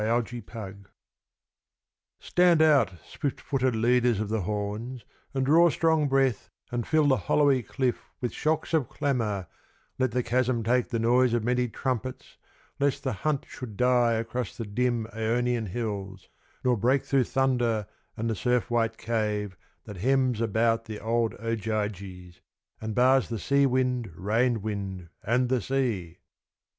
Ogyges Stand out, swift footed leaders of the horns, And draw strong breath, and fill the hollowy cliff With shocks of clamour, let the chasm take The noise of many trumpets, lest the hunt Should die across the dim Aonian hills, Nor break through thunder and the surf white cave That hems about the old eyed Ogyges And bars the sea wind, rain wind, and the sea!